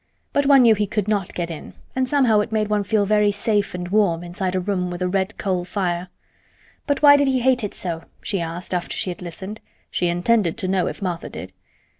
But one knew he could not get in, and somehow it made one feel very safe and warm inside a room with a red coal fire. "But why did he hate it so?" she asked, after she had listened. She intended to know if Martha did.